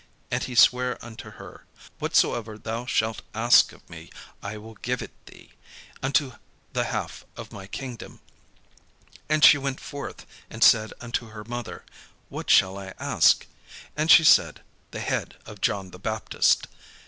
And he sware unto her, "Whatsoever thou shalt ask of me, I will give it thee, unto the half of my kingdom." And she went forth, and said unto her mother, "What shall I ask?" And she said, "The head of John the Baptist."